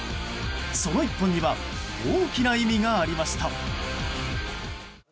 その１本には大きな意味がありました。